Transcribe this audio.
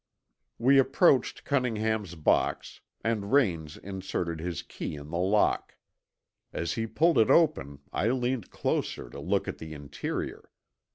We approached Cunningham's box and Raines inserted his key in the lock. As he pulled it open I leaned closer to look at the interior.